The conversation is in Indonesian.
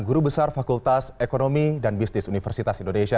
guru besar fakultas ekonomi dan bisnis universitas indonesia